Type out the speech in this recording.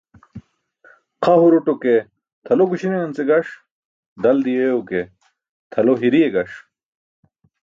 Xa huruto ke tʰalo guśiṇance gaṣ, dal diyeyo ke tʰalo hiriye gaṣ.